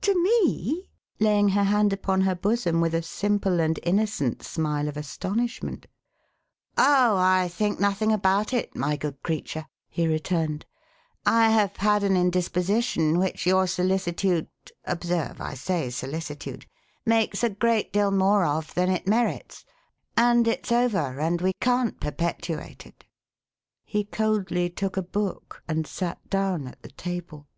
To me?" laying her hand upon her bosom with a simple and innocent smile of astonishment. " Oh ! I think nothing about it, my good creature," he re turned. " I have had an indisposition, which your solicitude — observe ! I say solicitude — makes a great deal more of, than it merits ; and it's over, and we can't perpetuate it." He coldly took a book, and sat down at the table.